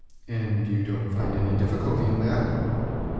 "And you don't find any difficulty in that?"